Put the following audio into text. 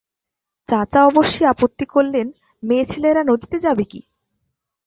চাচা অবশ্যি আপত্তি করলেন-মেয়েছেলেরা নদীতে যাবে কী?